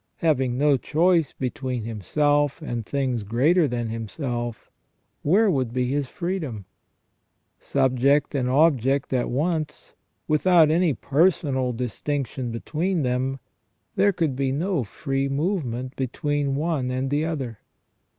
Having no choice between himself and things greater than himself, where would be his freedom ? Subject and object at once, without any personal distinction between them, there could be no free move ment between one and the other.